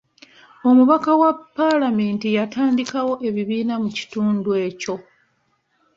Omubaka wa paalamenti yatandikawo ebibiina mu kitundu ekyo.